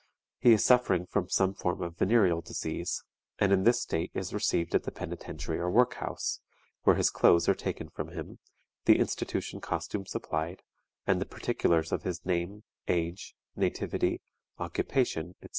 He is suffering from some form of venereal disease, and in this state is received at the Penitentiary or Work house, where his clothes are taken from him, the institution costume supplied, and the particulars of his name, age, nativity, occupation, etc.